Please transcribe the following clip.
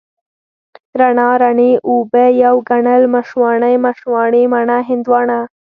رڼا، رڼې اوبه، يو ګڼل، مشواڼۍ، مشواڼې، مڼه، هندواڼه،